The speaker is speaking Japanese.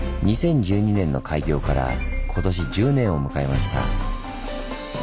２０１２年の開業から今年１０年を迎えました。